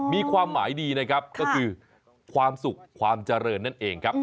มีความหมายดีนะครับก็คือความสุขความเจริญนั่นเองครับ